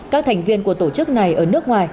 các thành viên của tổ chức này ở nước ngoài